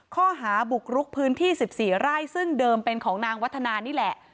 ข้อหาบุกรุกพื้นที่๑๔ไร่ซึ่งเดิมเป็นของนางวัฒนานี่แหละ